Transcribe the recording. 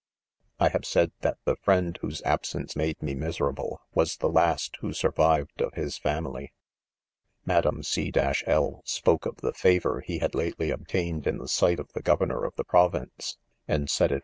' 'I have said that the friend' whose absence made 'me miserable, was the last who survived of his family, Ifadame C ^—l spoke of the favor he had lately obtained'in the sight of the governor of the ■■ province , and said^ it was $f Montreal.